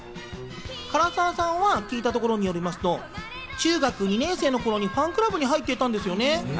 唐沢さんは聞いたところによりますと中学２年生の頃にファンクラブに入っていたんですよね？